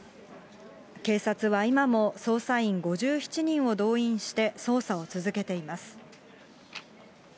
警察は今も捜査員５７人を動員して、捜査を続けています。